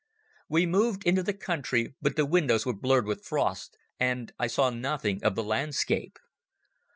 We moved into the country, but the windows were blurred with frost, and I saw nothing of the landscape.